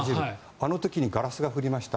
あの時にガラスが降りました。